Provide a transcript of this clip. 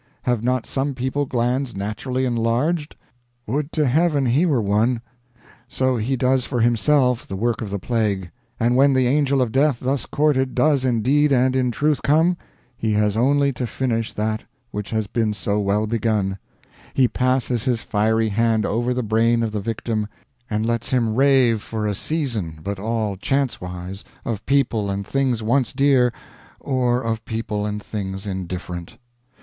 Have not some people glands naturally enlarged? would to heaven he were one! So he does for himself the work of the plague, and when the Angel of Death thus courted does indeed and in truth come, he has only to finish that which has been so well begun; he passes his fiery hand over the brain of the victim, and lets him rave for a season, but all chance wise, of people and things once dear, or of people and things indifferent.